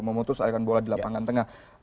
memutus aliran bola di lapangan tengah